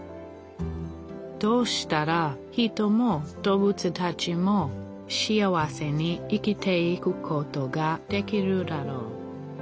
どうしたら人も動物たちも幸せに生きていくことができるだろう。